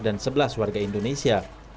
dan sebelas warga indonesia